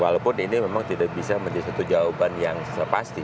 walaupun ini memang tidak bisa menjadi satu jawaban yang pasti